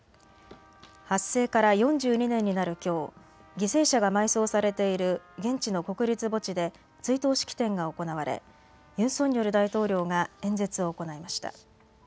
発生から４２年になるきょう、犠牲者が埋葬されている現地の国立墓地で追悼式典が行われユン・ソンニョル大統領が演説を行いました。